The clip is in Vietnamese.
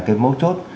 cái mấu chốt